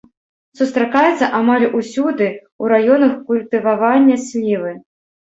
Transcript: Сустракаецца амаль усюды ў раёнах культывавання слівы.